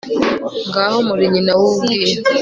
ngaho muri nyina w'ubwiru